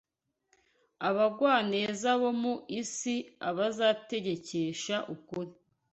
abagwaneza bo mu isi azabategekesha ukuri